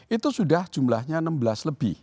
itu sudah jumlahnya enam belas lebih